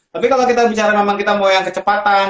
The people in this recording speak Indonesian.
tapi kalau kita bicara memang kita mau yang kecepatan